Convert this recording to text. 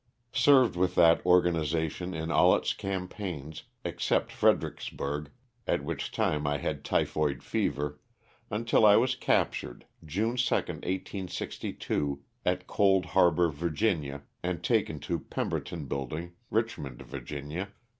Served with that organi zation in all its campaigns, except Fredericksburg at which time I had typhoid fever, until I was captured June 2, 1862, at Cold Harbor, Va., and taken to Pera berton building, Richmond, Va.